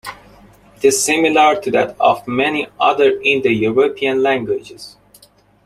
It is similar to that of many other Indo-European languages.